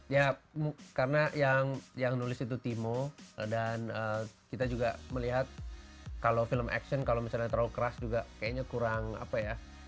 ya karena yang nulis itu timo dan kita juga melihat kalau film action kalau misalnya terlalu keras juga kayaknya kurang apa ya